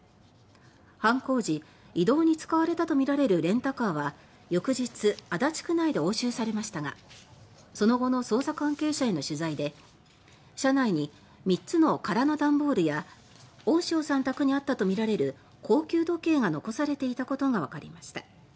犯行時移動に使われたとみられるレンタカーは翌日足立区内で押収されましたがその後の捜査関係者への取材で車内に３つの空の段ボールや大塩さん宅にあったとみられる高級時計が残されていたことがわかりました。